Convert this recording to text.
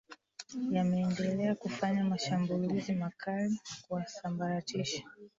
yameendelea kufanya mashambulizi makali kuwasambaratisha